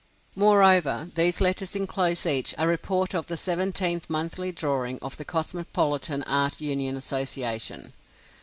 Moreover, these letters inclose each a "report of the seventeenth monthly drawing of the Cosmopolitan Art Union Association."